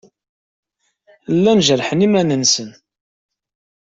Llan jerrḥen iman-nsen.